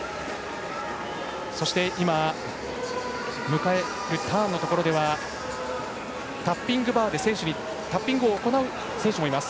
そして、ターンのところではタッピングバーでタッピングを行う選手もいます。